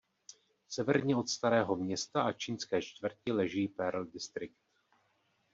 Severně od Starého Města a Čínské čtvrtí leží Pearl District.